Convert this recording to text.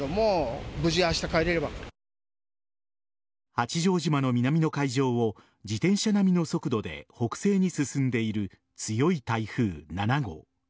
八丈島の南の海上を自転車並みの速度で北西に進んでいる強い台風７号。